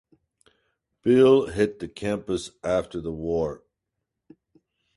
Bill hit the campus after the war.